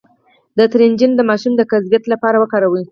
د ترنجبین د ماشوم د قبضیت لپاره وکاروئ